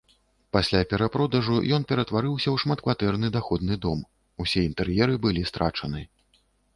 Пасля перапродажу ён ператварыўся ў шматкватэрны даходны дом, усе інтэр'еры былі страчаны.